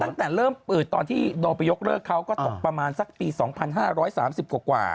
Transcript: ตั้งแต่เริ่มเปิดตอนที่โดไปยกเลิกเขาก็ตกประมาณสักปี๒๕๓๐กว่า